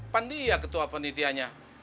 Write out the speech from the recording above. pandi ya ketua pendidikannya